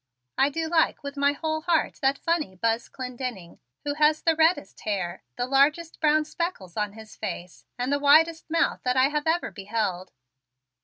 I do like with my whole heart that funny Buzz Clendenning, who has the reddest hair, the largest brown speckles on his face and the widest mouth that I have ever beheld.